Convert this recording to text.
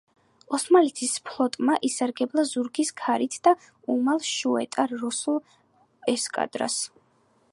ოსმალეთის ფლოტმა ისარგებლა ზურგის ქარით და უმალ შეუტია რუსულ ესკადრას.